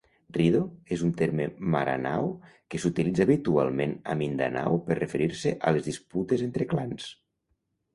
"Rido" és un terme Maranao que s'utilitza habitualment a Mindanao per referir-se a les disputes entre clans.